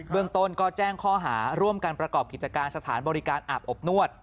เรื่องต้นก็แจ้งข้อหาร่วมการประกอบกิจการสถานบริการอาบอบนวด